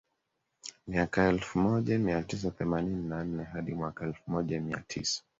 Miaka elfu moja mia tisa themanini na nne hadi mwaka elfu moja mia tisa